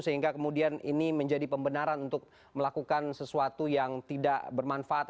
sehingga kemudian ini menjadi pembenaran untuk melakukan sesuatu yang tidak bermanfaat